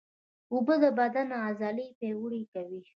اوبه د بدن عضلې پیاوړې کوي